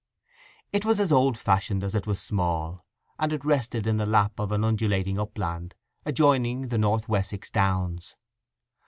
It was as old fashioned as it was small, and it rested in the lap of an undulating upland adjoining the North Wessex downs.